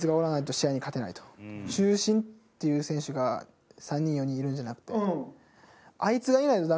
中心っていう選手が３人４人いるんじゃなくて。